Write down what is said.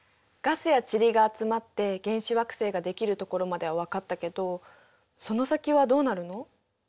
ガスや塵が集まって原始惑星ができるところまでは分かったけどその先はどうなるの？